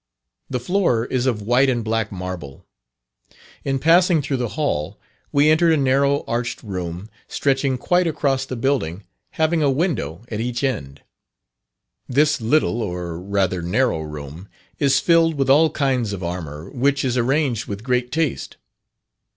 The floor is of white and black marble. In passing through the hall, we entered a narrow arched room, stretching quite across the building, having a window at each end. This little or rather narrow room is filled with all kinds of armour, which is arranged with great taste.